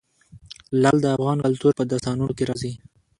لعل د افغان کلتور په داستانونو کې راځي.